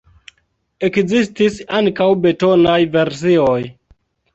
Ekzistis ankaŭ betonaj versioj.